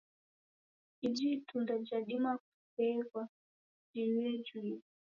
Iji itunda jadima kusheghwa jiw'uye juisi.